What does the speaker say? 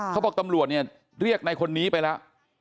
เขาบอกตำรวจเนี่ยเรียกในคนนี้ไปแล้ว